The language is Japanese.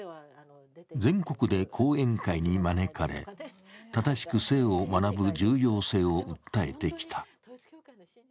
全国で講演会に招かれ、正しく性を学ぶ重要性を訴えてきた。